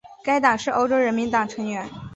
该党是欧洲人民党成员。